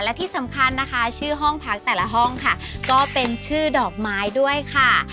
และที่สำคัญนะคะชื่อห้องพักแต่ละห้องค่ะก็เป็นชื่อดอกไม้ด้วยค่ะ